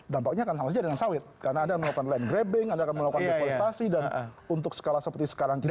dampaknya akan sama saja dengan sawit karena anda melakukan land grabbing anda akan melakukan deforestasi dan untuk skala seperti sekarang kita